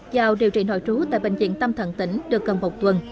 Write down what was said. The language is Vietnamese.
giao điều trị nội trú tại bệnh viện tâm thần tỉnh được gần một tuần